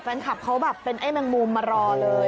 แฟนคลับเขาแบบเป็นไอ้แมงมุมมารอเลย